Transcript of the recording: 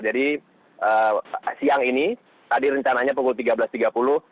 jadi siang ini tadi rencananya pukul tiga belas tiga puluh